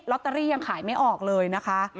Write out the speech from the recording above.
ตเตอรี่ยังขายไม่ออกเลยนะคะ